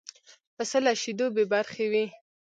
پسه له شیدو بې برخې وي.